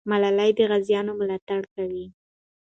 ملالۍ د غازیانو ملاتړ کوي.